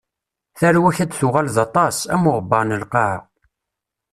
Tarwa-k ad tuɣal d aṭas, am uɣebbar n lqaɛa.